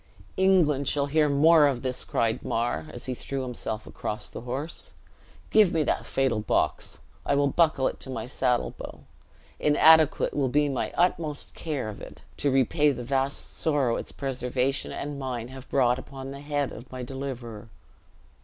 "England shall hear more of this!" cried Mar, as he threw himself across the horse. "Give me that fatal box; I will buckle it to my saddle bow. Inadequate will be my utmost care of it, to repay the vast sorrow its preservation and mine have brought upon the head of my deliverer."